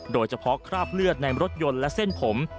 โดยเฉพาะคราบเลือดในรถยนต์และเส้นผม